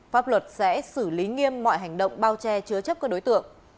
pháp luật sẽ xử lý nghiêm mọi hành động bao che chứa chấp các đối tượng